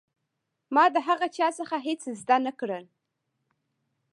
ما د هغه چا څخه هېڅ زده نه کړل.